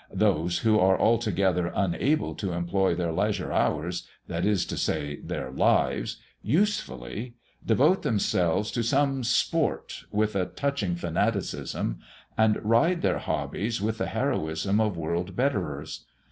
Those who are altogether unable to employ their leisure hours that is to say, their lives usefully, devote themselves to some "sport" with a touching fanaticism, and ride their hobbies with the heroism of world betterers.